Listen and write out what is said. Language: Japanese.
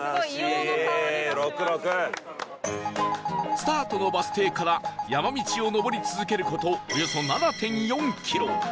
スタートのバス停から山道を上り続ける事およそ ７．４ キロ